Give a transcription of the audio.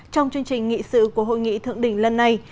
trong chương trình nghị sự của hội nghị thượng đỉnh lần này